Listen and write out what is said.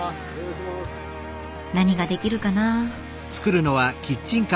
何が出来るかな。